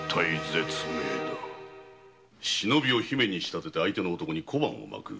忍びを姫に仕立てて相手の男に小判を撒く。